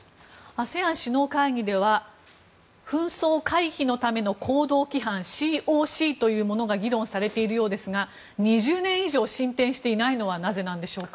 ＡＳＥＡＮ首脳会議では紛争回避のための行動規範・ＣＯＣというものが議論されているようですが２０年以上進展していないのはなぜなんでしょうか。